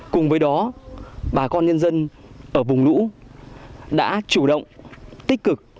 cùng với đó bà con nhân dân ở vùng lũ đã chủ động tích cực